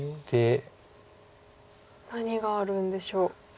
何があるんでしょう？